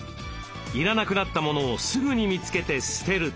要らなくなったモノをすぐに見つけて捨てる。